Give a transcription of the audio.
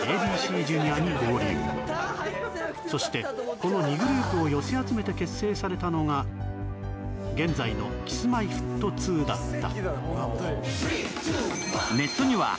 この２グループを寄せ集めて結成されたのが現在のＫｉｓ−Ｍｙ−Ｆｔ２だった。